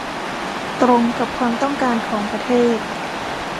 ตรงกับความต้องการของประเทศ